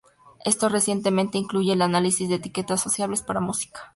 Esto recientemente incluye el análisis de etiquetas sociales para música.